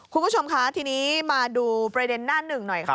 คุณผู้ชมคะทีนี้มาดูประเด็นหน้าหนึ่งหน่อยค่ะ